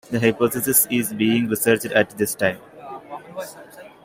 This hypothesis is being researched at this time.